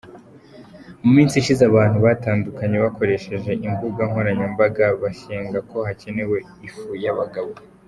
Mu minsi ishize abantu batandukanye bakoresheje imbuga nkoranyambaga bashyenga ko hakenewe ifu y’abagabo.